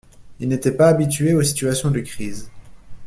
Il n’était pas habitué aux situations de crise.